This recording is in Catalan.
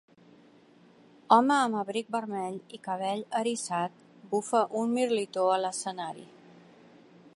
Home amb abric vermell i cabell eriçat bufa un mirlitó a l'escenari.